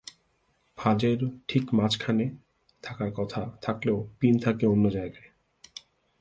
ভাঁজের ঠিক মাঝখানে থাকার কথা থাকলেও পিন থাকে অন্য কোনো জায়গায়।